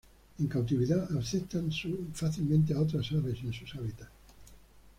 En cautividad aceptan fácilmente a otras aves en sus hábitats.